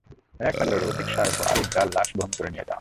এক হাজারেরও অধিক শায়খ ও আলিম তার লাশ বহন করে নিয়ে যান।